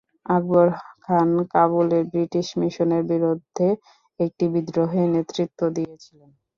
আকবর খান কাবুলের ব্রিটিশ মিশনের বিরুদ্ধে একটি বিদ্রোহে নেতৃত্ব দিয়েছিলেন।